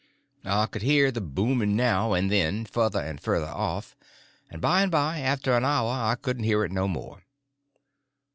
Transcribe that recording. I could hear the booming now and then, further and further off, and by and by, after an hour, I didn't hear it no more.